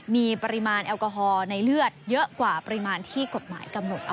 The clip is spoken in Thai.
มีปริมาณแอลกอฮอล์ในเลือดเยอะกว่าปริมาณที่กฎหมายกำหนด